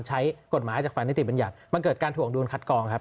ใช้กฎหมายจากฝ่ายนิติบัญญัติมันเกิดการถวงดุลคัดกองครับ